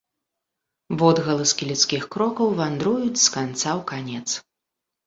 Водгаласкі людскіх крокаў вандруюць з канца ў канец.